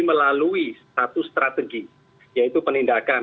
melalui satu strategi yaitu penindakan